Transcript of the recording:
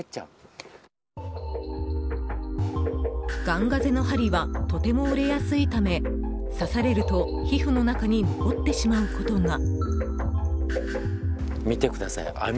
ガンガゼの針はとても折れやすいため刺されると皮膚の中に残ってしまうことが。